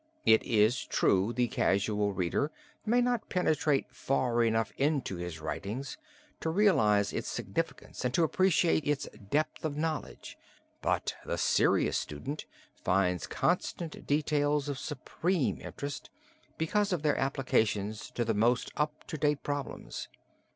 It is true the casual reader may not penetrate far enough into his writing to realize its significance and to appreciate its depth of knowledge, but the serious student finds constant details of supreme interest because of their applications to the most up to date problems.